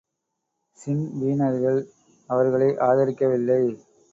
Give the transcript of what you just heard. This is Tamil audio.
ஸின்பீனர்கள் அவர்களை ஆதரிக்கவில்லை.